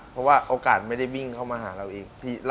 เพราะว่าโอกาสไม่ได้วิ่งเข้ามาหาเราเอง